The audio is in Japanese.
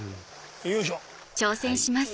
よいしょ！